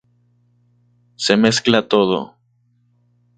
Se mezcla todo.